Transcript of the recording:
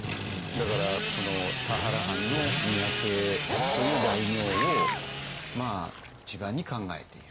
だからこの田原藩の三宅という大名を一番に考えている。